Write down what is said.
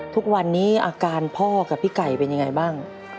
ทุกวันนี้อาการพ่อกับพี่ไก่เป็นยังไงบ้าง